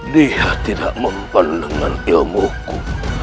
dia tidak mempan dengan ilmuku